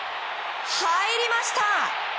入りました！